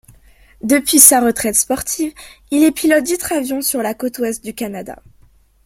Depuis sa retraite sportive, il est pilote d'hydravion sur la côte ouest du Canada.